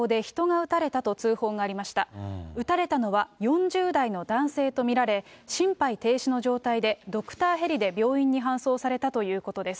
撃たれたのは４０代の男性と見られ、心肺停止の状態で、ドクターヘリで病院に搬送されたということです。